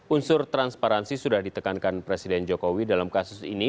unsur transparansi sudah ditekankan presiden jokowi dalam kasus ini